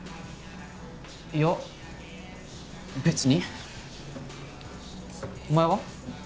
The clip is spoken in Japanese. いや別にお前は？